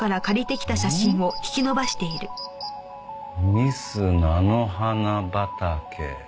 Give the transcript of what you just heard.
ミス菜の花畑。